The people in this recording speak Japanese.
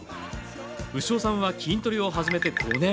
牛尾さんは筋トレを始めて５年。